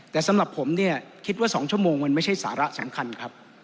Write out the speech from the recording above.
แต่สำหรับผมเนี่ยคิดว่า๒ชั่วโมงมันไม่ใช่สาระสำคัญครับ